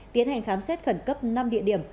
tiến hành khám xét khẩn cấp năm địa điểm